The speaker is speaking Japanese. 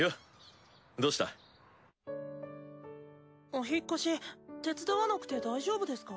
お引っ越し手伝わなくて大丈夫ですか？